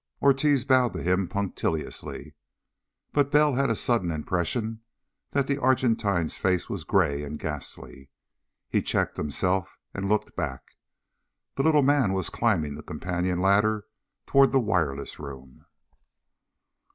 Ortiz bowed to him punctiliously, but Bell had a sudden impression that the Argentine's face was gray and ghastly. He checked himself and looked back. The little man was climbing the companion ladder toward the wireless room.